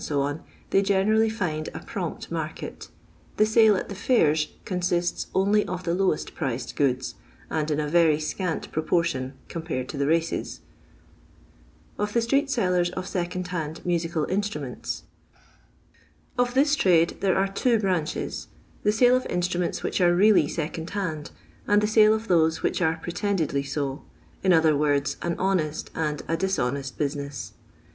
they generally find a prompt market. The sale at the fairs consists only uf the lowest priced goods, and in a very scant proportion compared to the races. ^. Of THB STRIET SELLraS OF S«COHD UA»I) Musical Ikstrumiiits. Of this trade there are two branches ; the sale of instruments which are really second hand, and the sale of those which are pretendedly so ; in other words, an honest and a dishonest business.